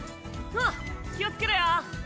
おう気をつけろよ。